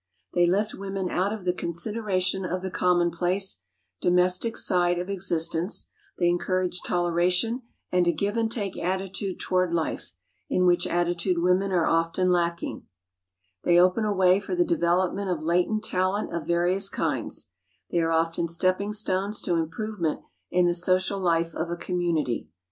They lift women out of the consideration of the commonplace, domestic side of existence; they encourage toleration and a give and take attitude toward life, in which attitude women are often lacking; they open a way for the development of latent talent of various kinds; they are often stepping stones to improvement in the social life of a community.